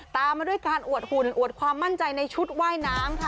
ตามมาด้วยการอวดหุ่นอวดความมั่นใจในชุดว่ายน้ำค่ะ